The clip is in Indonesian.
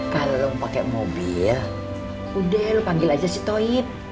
kalau lo mau pakai mobil udah lo panggil aja si toib